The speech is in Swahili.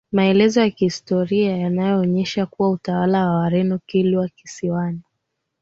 Maelezo ya historia yanaonyesha kuwa utawala wa Wareno Kilwa kisiwani